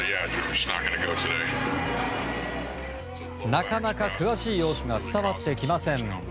なかなか詳しい様子が伝わってきません。